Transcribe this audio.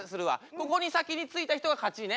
ここに先に着いた人が勝ちね。